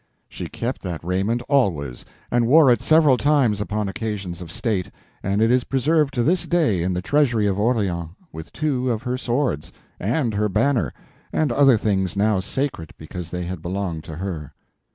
She kept that raiment always, and wore it several times upon occasions of state, and it is preserved to this day in the Treasury of Orleans, with two of her swords, and her banner, and other things now sacred because they had belonged to her.